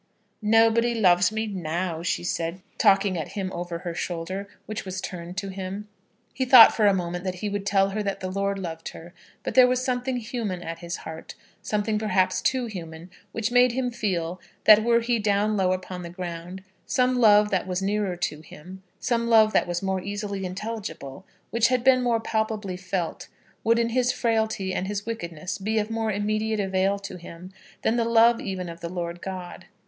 "Nobody loves me now," she said, talking at him over her shoulder, which was turned to him. He thought for a moment that he would tell her that the Lord loved her; but there was something human at his heart, something perhaps too human, which made him feel that were he down low upon the ground, some love that was nearer to him, some love that was more easily intelligible, which had been more palpably felt, would in his frailty and his wickedness be of more immediate avail to him than the love even of the Lord God.